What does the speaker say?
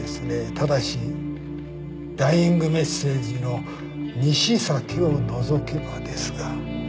ただしダイイングメッセージの「にしさき」を除けばですが。